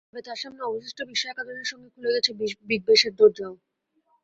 তবে তাঁর সামনে অবশিষ্ট বিশ্ব একাদশের সঙ্গে খুলে গেছে বিগ ব্যাশের দরজাও।